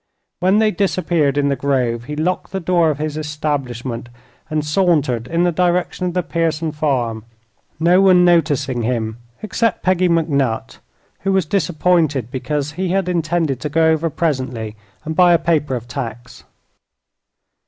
When they disappeared in the grove he locked the door of his establishment and sauntered in the direction of the Pearson farm, no one noticing him except Peggy McNutt, who was disappointed because he had intended to go over presently and buy a paper of tacks.